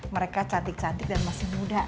mereka cantik cantik dan masih muda